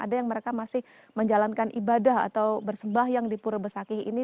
ada yang mereka masih menjalankan ibadah atau bersembah yang di pura besakih ini